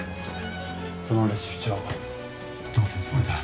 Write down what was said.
・そのレシピ帳どうするつもりだ？